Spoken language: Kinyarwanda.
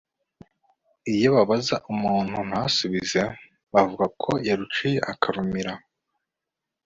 iyo babaza umuntu ntasubize, bavuga ko «yaruciye akarumira